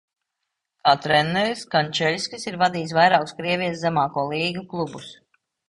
Kā treneris, Kančeļskis ir vadījis vairākus Krievijas zemāko līgu klubus.